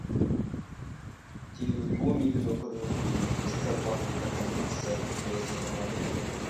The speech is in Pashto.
تېرو دوو میلیونو کلونو کې د ستر مغز د تکامل کیسه تراوسه نامعلومه ده.